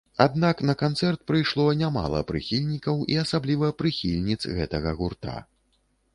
Аднак на канцэрт прыйшло не мала прыхільнікаў і, асабліва, прыхільніц гэтага гурта.